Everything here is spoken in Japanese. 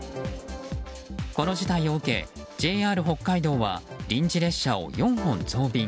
この事態を受けＪＲ北海道は臨時列車を４本増便。